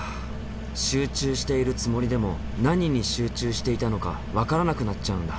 集中しているつもりでも何に集中していたのか分からなくなっちゃうんだ。